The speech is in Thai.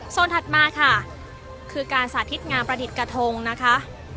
ส่วนถัดมาค่ะคือการสาธิตงานประดิษฐ์กระทงนะคะ